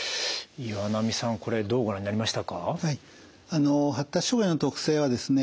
あの発達障害の特性はですね